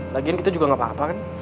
lagian kita juga gak apa apa kan